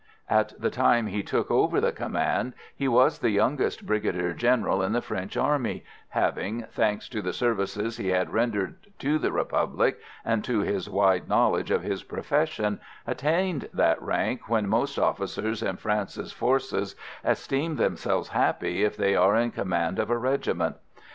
At the time he took over the command he was the youngest Brigadier General in the French army, having, thanks to the services he had rendered to the Republic, and to his wide knowledge of his profession, attained that rank when most officers in France's forces esteem themselves happy if they are in command of a regiment.